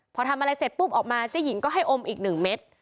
พอทำอะไรเสร็จปุ๊บออกมาเจ๊หญิงก็ให้อมอีก๑เม็ด